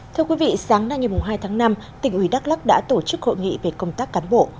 thưa quý vị sáng nay ngày hai tháng năm tỉnh ủy đắk lắc đã tổ chức hội nghị về công tác cán bộ